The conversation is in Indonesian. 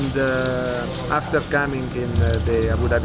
dan setelah datang di tim abu dhabi